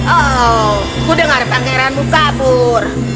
oh kudengar pangeranmu kabur